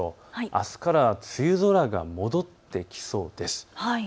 あすから梅雨空が戻ってきそうです。